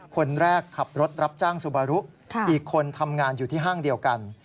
คนแรกขับรถรับจ้างซูบารุอีกคนทำงานอยู่ที่ห้างเดียวกัน